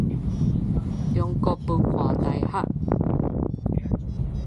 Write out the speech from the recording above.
中國文化大學